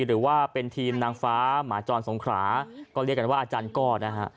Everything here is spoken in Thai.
หรือว่าเป็นทีมนางฟ้าหมาจรสงขราก็เรียกกันว่าอาจารย์ก้อนะฮะ